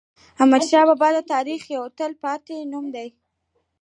احمدشاه بابا د تاریخ یو تل پاتی نوم دی.